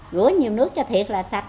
rửa nhiều nước cho thiệt là sạch